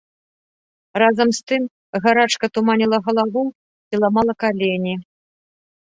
Разам з тым гарачка туманіла галаву і ламала калені.